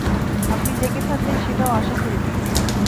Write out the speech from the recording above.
আপনি জেগে থাকবেন সেটাও আশা করিনি।